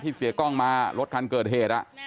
ที่เสียกล้องมารถการเกิดเหตุ